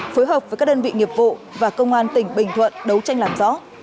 phối hợp với các đơn vị nghiệp vụ và công an tỉnh bình thuận đấu tranh làm rõ